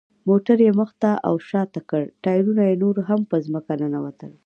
موټر یې مخ ته او شاته کړ، ټایرونه یې نور هم په ځمکه ننوتل.